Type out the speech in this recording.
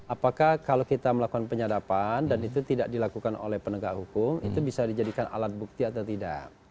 apakah kalau kita melakukan penyadapan dan itu tidak dilakukan oleh penegak hukum itu bisa dijadikan alat bukti atau tidak